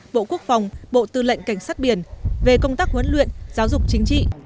bộ quốc phòng bộ tư lệnh cảnh sát biển về công tác huấn luyện giáo dục chính trị